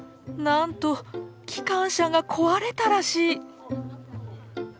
なんと機関車が壊れたらしい。